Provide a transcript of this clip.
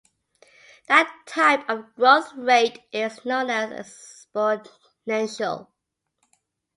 That type of growth rate is known as exponential.